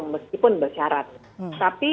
meskipun bersyarat tapi